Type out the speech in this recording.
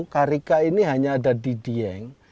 karika ini hanya ada di dieng